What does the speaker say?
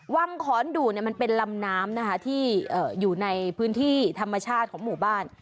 ขอนดูดมันเป็นลำน้ำนะคะที่อยู่ในพื้นที่ธรรมชาติของหมู่บ้าน